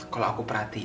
kalau aku perhatiin ya